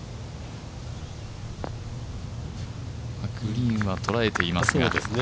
グリーンは捉えていますが。